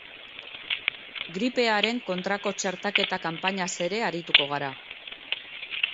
Gripearen kontrako txertaketa kanpainaz ere arituko gara.